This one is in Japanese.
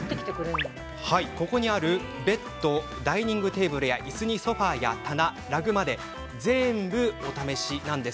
ここにあるベッドダイニングテーブルや、いすにソファーや棚、ラグまで全部お試しなんです。